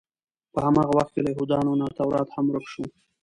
په هماغه وخت کې له یهودانو نه تورات هم ورک شو.